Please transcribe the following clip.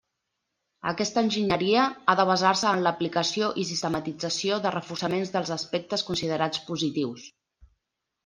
Aquesta enginyeria ha de basar-se en l'aplicació i sistematització de reforçaments dels aspectes considerats positius.